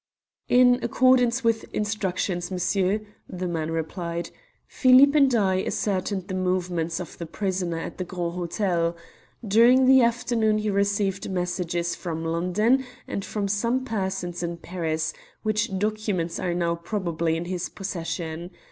"In accordance with instructions, monsieur," the man replied, "Philippe and I ascertained the movements of the prisoner at the Grand Hotel. During the afternoon he received messages from London and from some persons in Paris, which documents are now probably in his possession.